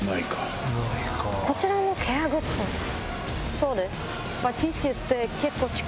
そうです。